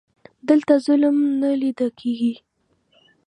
دلته ظلم نه لیده کیږي.